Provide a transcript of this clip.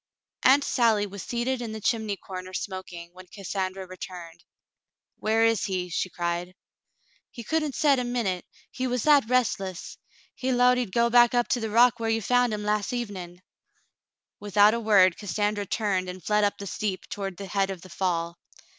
Aunt Sally was seated in the chimney corner smoking, when Cassandra returned. "Where is he.^^" she cried. "He couldn't set a minute, he was that restless. He 'lowed he'd go up to the rock whar you found him las' evenm . Without a word, Cassandra turned and fled up the steep toward the head of the fall.